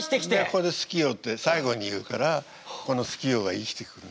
ここで「好きよ」って最後に言うからこの「好きよ」が生きてくる。